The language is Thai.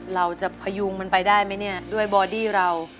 เราจะพยุงมันไปได้ไหมด้วยบอดี้เรา